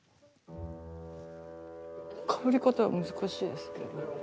かぶり方難しいですね。